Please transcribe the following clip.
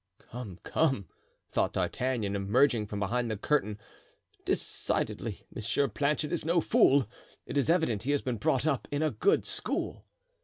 "Come, come," thought D'Artagnan, emerging from behind the curtain, "decidedly Monsieur Planchet is no fool; it is evident he has been brought up in a good school."